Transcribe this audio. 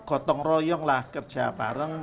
gotong royonglah kerja bareng